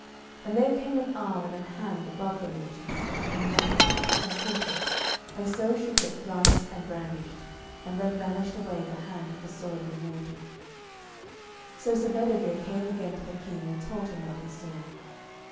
And there came an arm and an hand above the water, and met it, and caught it, and so shook it thrice and brandished, and then vanished away the hand with the sword in the water. So Sir Bedivere came again to the King, and told him what he saw.